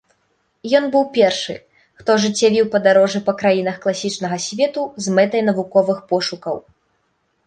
Ён быў першы, хто ажыццявіў падарожжы па краінах класічнага свету з мэтай навуковых пошукаў.